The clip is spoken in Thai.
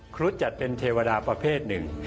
ครุฑจัดเป็นเทวดาประเภทหนึ่ง